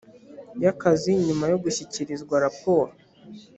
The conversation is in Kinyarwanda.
y akazi nyuma yo gushyikirizwa raporo